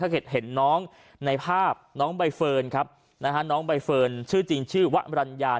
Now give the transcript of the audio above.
เห็นน้องในภาพน้องใบเฟิร์นครับนะฮะน้องใบเฟิร์นชื่อจริงชื่อวะมรัญญา